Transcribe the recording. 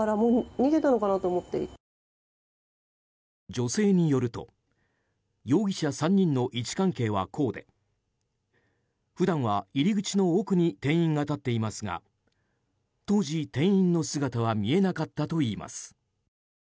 女性によると容疑者３人の位置関係はこうで普段は入り口の奥に店員が立っていますが当時、店員の姿は見えなかったといいます。